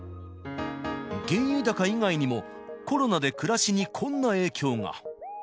原油高以外にも、コロナで暮らしにこんな影響が。